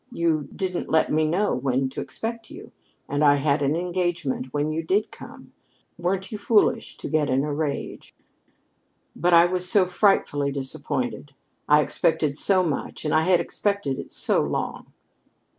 You didn't let me know when to expect you, and I had an engagement when you did come. Weren't you foolish to get in a rage?" "But I was so frightfully disappointed. I expected so much and I had expected it so long."